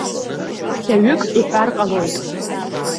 Ԥхьаҩык иҳәар ҟалоит.